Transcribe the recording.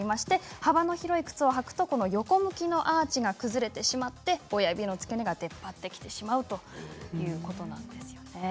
幅の広い靴を履くと、横向きのアーチが崩れてしまって親指の付け根が出っ張ってきてしまうということなんですよね。